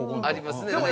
ありますね。